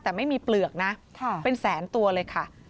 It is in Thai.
แต่ไม่มีเปลือกนะเป็นแสนตัวเลยค่ะ